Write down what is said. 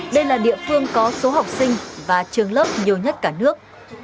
đây là địa phương có số học sinh và trường lớp nhiều nhất cả nước